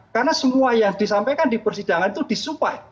karena semua yang disampaikan di persidangan itu disupai